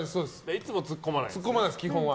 いつもツッコまないです、基本は。